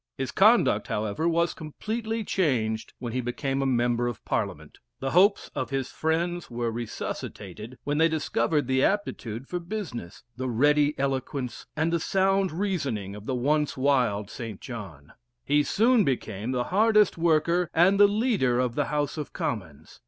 His conduct, however, was completely changed when he became a Member of Parliament. The hopes of his friends were resuscitated when they discovered the aptitude for business the ready eloquence, and the sound reasoning of the once wild St. John. He soon became the hardest worker and the leader of the House of Commons.